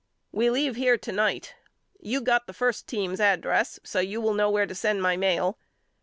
We leave here to night. You got the first team's address so you will know where to send my mail.